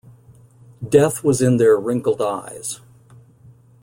Death was in their wrinkled eyes.